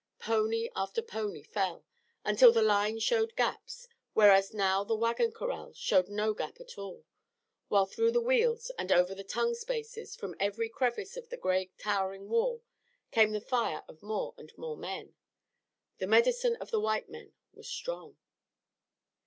Pony after pony fell, until the line showed gaps; whereas now the wagon corral showed no gap at all, while through the wheels, and over the tongue spaces, from every crevice of the gray towering wall came the fire of more and more men. The medicine of the white men was strong.